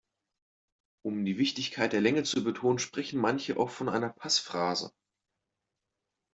Um die Wichtigkeit der Länge zu betonen, sprechen manche auch von einer Passphrase.